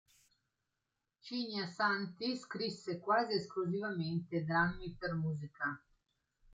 Cigna-Santi scrisse quasi esclusivamente drammi per musica.